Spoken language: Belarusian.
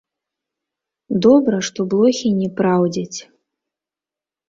Добра, што блохі не праўдзяць.